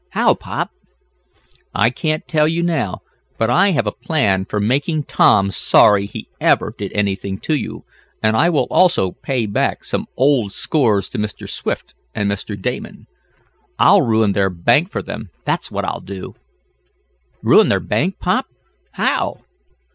"How, pop?" "I can't tell you now, but I have a plan for making Tom sorry he ever did anything to you, and I will also pay back some old scores to Mr. Swift and Mr. Damon. I'll ruin their bank for them, that's what I'll do." "Ruin their bank, pop? How?"